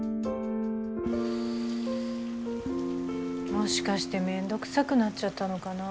もしかしてめんどくさくなっちゃったのかな？